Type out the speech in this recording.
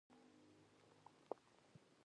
د افغانستان طبیعت د خدای قدرت څرګندوي.